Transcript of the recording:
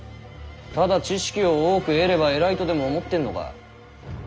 ただ知識を多く得れば偉いとでも思ってんのか？